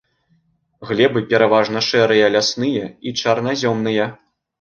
Глебы пераважна шэрыя лясныя і чарназёмныя.